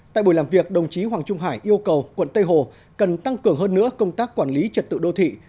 tại buổi làm việc đồng chí hoàng trung hải yêu cầu quận tây hồ cần tăng cường hơn nữa công tác quản lý trật tự đô thị